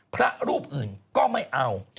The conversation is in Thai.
พระรูปอื่นก็ไม่เอา